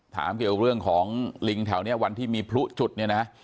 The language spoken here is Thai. ถามเกี่ยวเรื่องของลิงแถวนี้วันที่มีพลุจุดเนี่ยนะ